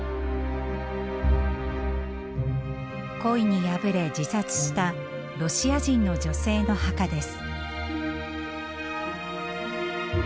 恋にやぶれ自殺したロシア人の女性の墓です。